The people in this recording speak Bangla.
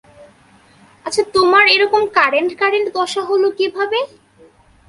আচ্ছা তোমার এরকম কারেন্ট কারেন্ট দশা হলো কীভাবে?